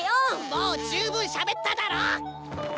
もう十分しゃべっただろ！